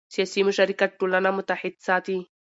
سیاسي مشارکت ټولنه متحد ساتي